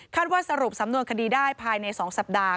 ว่าสรุปสำนวนคดีได้ภายใน๒สัปดาห์